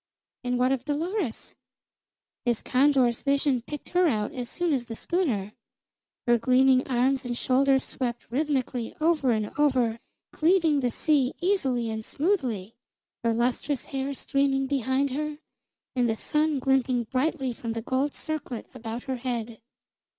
And what of Dolores? His condor's vision picked her out as soon as the schooner. Her gleaming arms and shoulders swept rhythmically over and over, cleaving the sea easily and smoothly, her lustrous hair streaming behind her, and the sun glinting brightly from the gold circlet around her head.